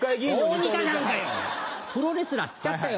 プロレスラーっつっちゃったよ。